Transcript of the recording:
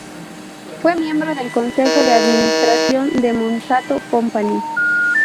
Fue miembro del Consejo de Administración de Monsanto Company.